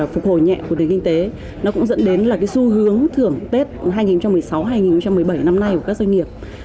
phục hồi nhẹ của tình hình kinh tế cũng dẫn đến xu hướng thưởng tết hai nghìn một mươi sáu hai nghìn một mươi bảy năm nay của các doanh nghiệp